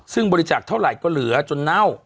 ซึ่งบริจาคเท่าไหร่ก็เหลือจนเน่า